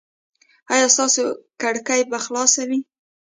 ایا ستاسو کړکۍ به خلاصه وي؟